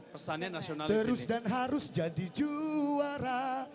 terus dan harus jadi juara